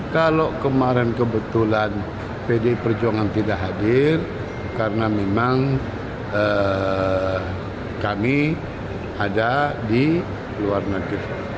kalau kemarin kebetulan pdi perjuangan tidak hadir karena memang kami ada di luar negeri